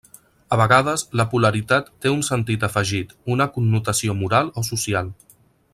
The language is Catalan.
A vegades la polaritat té un sentit afegit, una connotació moral o social.